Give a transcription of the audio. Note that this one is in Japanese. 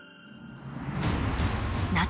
夏。